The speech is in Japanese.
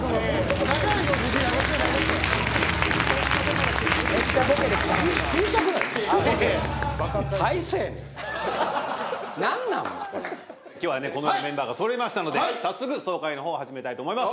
このようにメンバーが揃いましたので早速総会の方始めたいと思います。